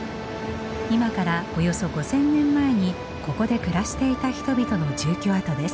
今からおよそ５，０００年前にここで暮らしていた人々の住居跡です。